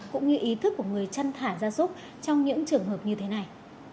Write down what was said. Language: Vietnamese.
cũng như ý thức của người chân thả gia súc trong những trường hợp như thế này